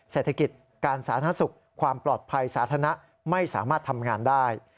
เศรษฐกิจการสาธารณสุขความปลอดภัยสาธารณะไม่สามารถทำงานได้